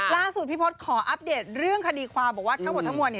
ล่าสุดพี่พศขออัปเดตเรื่องคดีความบอกว่าทั้งหมดทั้งมวล